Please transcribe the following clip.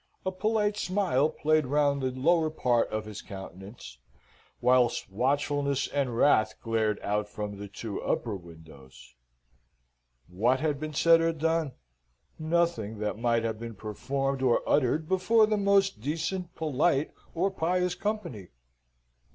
A polite smile played round the lower part of his countenance, whilst watchfulness and wrath glared out from the two upper windows. What had been said or done? Nothing that might not have been performed or uttered before the most decent, polite, or pious company.